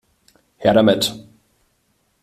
Her damit!